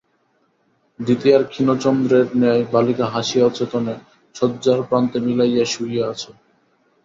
দ্বিতীয়ার ক্ষীণ চন্দ্রের ন্যায় বালিকা হাসি অচেতনে শয্যার প্রান্তে মিলাইয়া শুইয়া আছে।